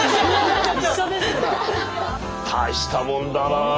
大したもんだなあ。